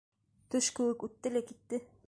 Төш кеүек үтте лә китте.